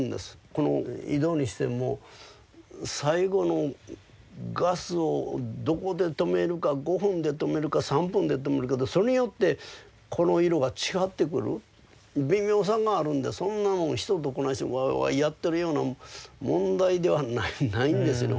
この井戸にしても最後のガスをどこで止めるか５分で止めるか３分で止めるかでそれによってこの色が違ってくる微妙さがあるんでそんなもん人とこないしてワーワーやってるような問題ではないんですよね